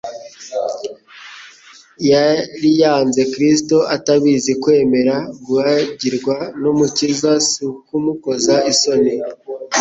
Yari yanze Kristo atabizi. Kwemera kuhagirwa n'Umukiza, si ukumukoza isoni.